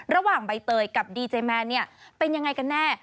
ระหว่างใบเตยกับดีเจย์แมนเป็นอย่างไรกันแน่